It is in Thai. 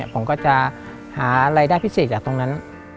ผมก็จะหารายได้พิเศษจากตรงนั้น